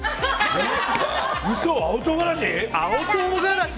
嘘、青唐辛子？